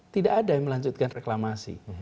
tidak ada yang melanjutkan reklamasi